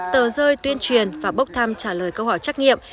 tờ rơi tuyên truyền và bốc thăm trả lời câu hỏi trắc nghiệm